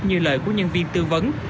như lời của nhân viên tư vấn